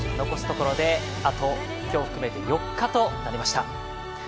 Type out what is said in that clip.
残すところ、あと今日を含めて４日となりました。